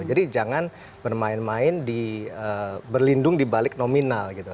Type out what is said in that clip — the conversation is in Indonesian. jadi jangan bermain main di berlindung dibalik nominal gitu